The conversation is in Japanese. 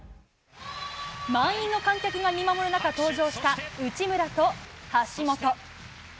満員の観客が見守る中登場した内村と橋本。